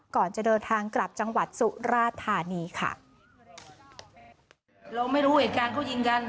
ก่อนจะเดินทางกลับจังหวัดสุราธานีค่ะเราไม่รู้เหตุการณ์เขายิงกัน